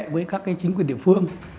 với các chính quyền địa phương